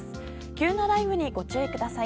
急な雷雨にご注意ください。